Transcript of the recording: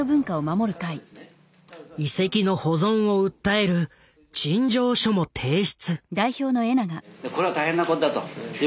遺跡の保存を訴える陳情書も提出。